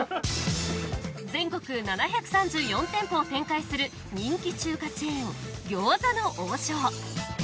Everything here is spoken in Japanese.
全国７３４店舗を展開する人気中華チェーン餃子の王将。